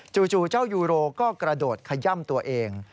จู่เจ้ายูโรก็กระโดดขย่ำตัวเอง